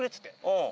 うん。